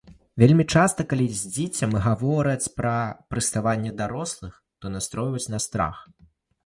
Вельмі часта, калі з дзіцем гавораць пра прыставанне дарослых, то настройваюць на страх.